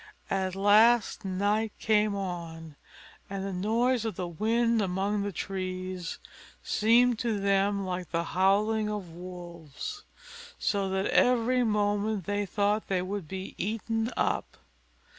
At last night came on, and the noise of the wind among the trees seemed to them like the howling of wolves, so that every moment they thought they should be eaten up.